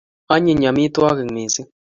anyiny amitwakik missing